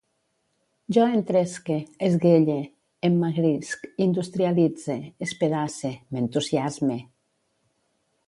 Jo entresque, esguelle, emmagrisc, industrialitze, espedace, m'entusiasme